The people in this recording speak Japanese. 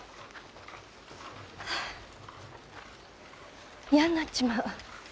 はあ嫌になっちまう。